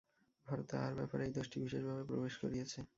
ভারতে আহার-ব্যাপারে এই দোষটি বিশেষভাবে প্রবেশ করিয়াছে।